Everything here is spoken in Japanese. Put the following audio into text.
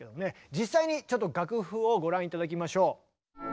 実際にちょっと楽譜をご覧頂きましょう。